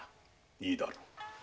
いいだろう。